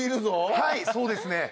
はいそうですね。